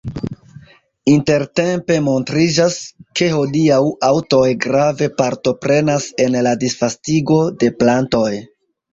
Intertempe montriĝas, ke hodiaŭ aŭtoj grave partoprenas en la disvastigo de plantoj.